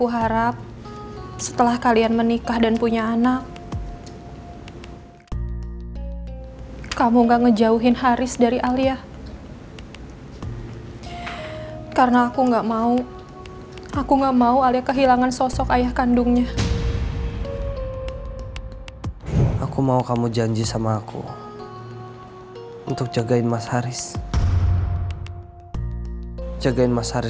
sampai jumpa di video selanjutnya